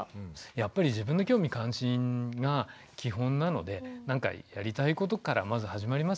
やっぱり自分の興味関心が基本なのでなんかやりたいことからまず始まりますよね。